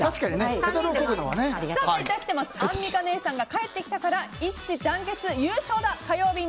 アンミカ姉さんが帰ってきたから一致団結、優勝だ。